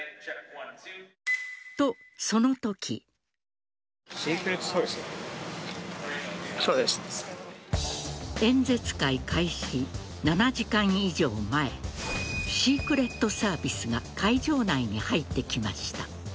と、そのとき。演説会開始７時間以上前シークレットサービスが会場内に入ってきました。